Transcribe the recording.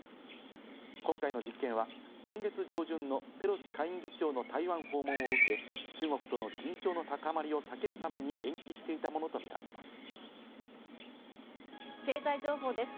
今回の実験は今月上旬のペロシ下院議長の台湾訪問を受け、中国との緊張の高まりを避けるために延期していたものとみられま経済情報です。